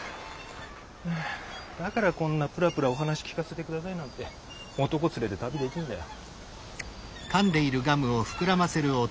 だからこんなプラプラお話聞かせてくださいなんて男連れて旅できんだよ。